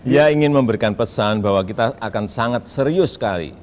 ya ingin memberikan pesan bahwa kita akan sangat serius sekali